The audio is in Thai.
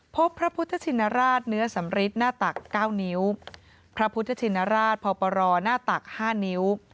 พระพุทธชินราชเนื้อสำริทหน้าตัก๙นิ้วพระพุทธชินราชพปรหน้าตัก๕นิ้ว